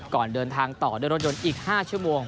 ก่อนเดินทางต่อด้วยรถยนต์อีก๕ชั่วโมง